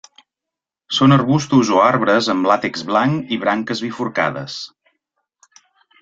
Són arbustos o arbres amb làtex blanc i branques bifurcades.